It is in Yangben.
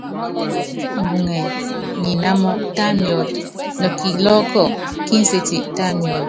Mbuŋɛ ni inámɔ, tá miɔ́t, nɔ kilɔ́ɔ́kɔ ki nséti, tá miɔ́t.